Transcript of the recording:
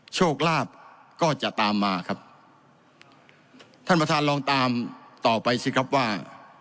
โชคลาภก็จะตามมาครับท่านประธานลองตามต่อไปสิครับว่า